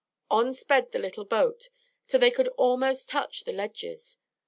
On sped the boat till they could almost touch the ledges.